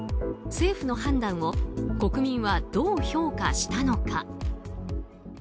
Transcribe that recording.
政府の判断を国民はどう評価したのか。